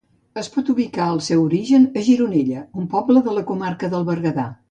Es pot ubicar el seu origen a Gironella un poble de la comarca del Berguedà.